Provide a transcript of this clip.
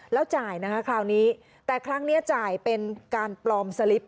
แล้วจ่ายนะคะคราวนี้แต่ครั้งนี้จ่ายเป็นการปลอมสลิป